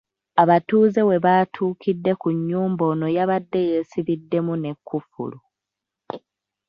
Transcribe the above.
Abatuuze we batuukidde ku nnyumba ono yabadde yeesibiddemu ne kkufulu.